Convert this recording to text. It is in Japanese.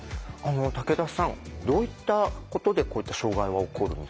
竹田さんどういったことでこういった障害は起こるのですかね？